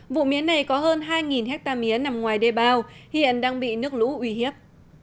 vụ mía này có hơn hai hectare mía nằm ngoài đê bao hiện đang bị nước lũ uy hiếp